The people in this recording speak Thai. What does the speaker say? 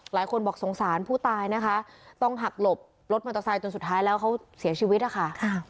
หลายคนบอกสงสารผู้ตายนะคะต้องหักหลบรถมอเตอร์ไซค์จนสุดท้ายแล้วเขาเสียชีวิตนะคะ